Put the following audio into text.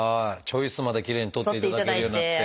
「チョイス」まできれいに撮っていただけるようになって。